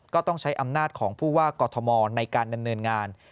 ก็ต้องใช้อำนาจของผู้ว่ากอทมในการดำเนินงาน